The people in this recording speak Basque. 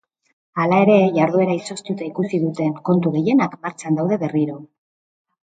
Hala ere, jarduera izoztuta ikusi duten kontu gehienak martxan daude berriro.